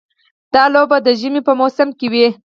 دا لوبه د ژمي په موسم کې وي.